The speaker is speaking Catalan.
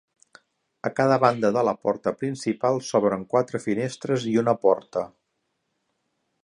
A cada banda de la porta principal s'obren quatre finestres i una porta.